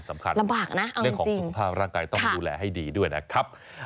ลำบากนะเรื่องของสุขภาพร่างกายต้องดูแลให้ดีด้วยนะครับ